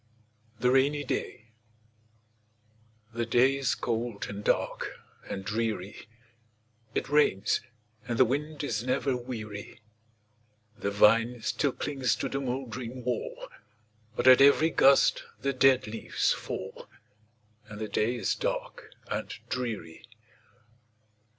THE RAINY DAY The day is cold, and dark, and dreary It rains, and the wind is never weary; The vine still clings to the mouldering wall, But at every gust the dead leaves fall, And the day is dark and dreary.